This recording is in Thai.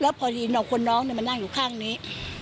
พอดีคนน้องมานั่งอยู่ข้างนี้